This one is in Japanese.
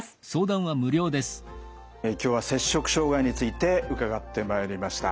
今日は摂食障害について伺ってまいりました。